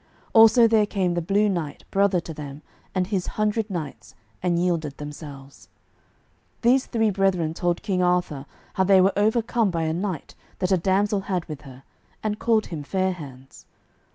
Also there came the Blue Knight, brother to them, and his hundred knights, and yielded themselves. These three brethren told King Arthur how they were overcome by a knight that a damsel had with her, and called him Fair hands.